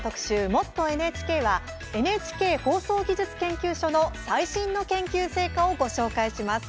「もっとＮＨＫ」はＮＨＫ放送技術研究所の最新の研究成果をご紹介します。